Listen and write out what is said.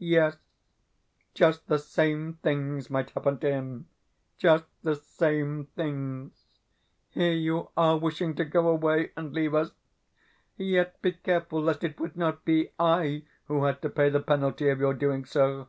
Yes, just the same things might happen to him just the same things.... Here you are wishing to go away and leave us; yet, be careful lest it would not be I who had to pay the penalty of your doing so.